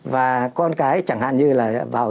và con cái chẳng hạn như là vào